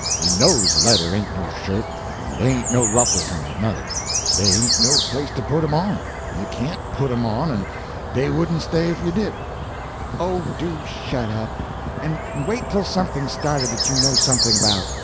You knows a letter ain't no shirt, en dey ain't no ruffles on it, nuther. Dey ain't no place to put 'em on; you can't put em on, and dey wouldn't stay ef you did." "Oh do shut up, and wait till something's started that you know something about."